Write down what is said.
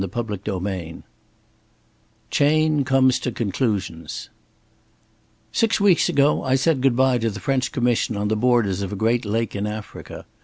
CHAPTER XXI CHAYNE COMES TO CONCLUSIONS "Six weeks ago I said good by to the French Commission on the borders of a great lake in Africa.